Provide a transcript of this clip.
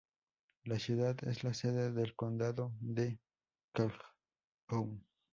La ciudad es la sede del condado de Calhoun.